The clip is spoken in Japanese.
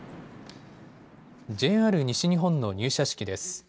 ＪＲ西日本の入社式です。